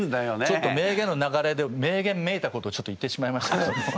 ちょっと名言の流れで名言めいたことをちょっと言ってしまいましたけども。